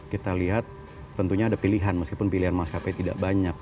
kita lihat tentunya ada pilihan meskipun pilihan maskapai tidak banyak